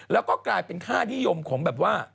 แล้วก็กลายเป็นค่านิยมของแบบว่า